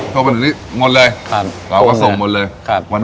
ทั่วภาคเหนือนี่หมดเลยเราก็ส่งหมดเลย